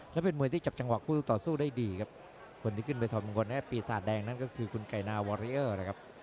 และเป็นมวยที่จับจังหวะคู่ต่อสู้ได้ดีครับคนที่ขึ้นไปถอดมงคลให้ปีศาจแดงนั่นก็คือคุณไก่นาวอริเออร์นะครับ